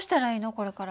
これから。